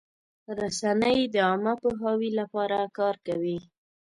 رسنۍ د عامه پوهاوي لپاره کار کوي.